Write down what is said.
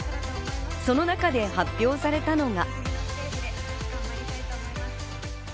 その中で発表されたのが。